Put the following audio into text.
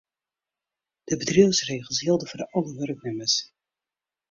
De bedriuwsregels jilde foar alle wurknimmers.